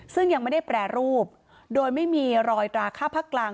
ซึ่งยังไม่ได้แปรรูปโดยไม่มีรอยตราค่าภาคกลาง